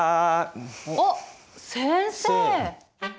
あっ先生！